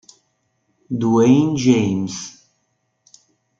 Dwayne James